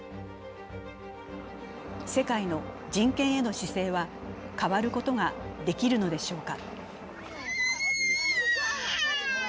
世界の人権への姿勢は変わることができるのでしょうか。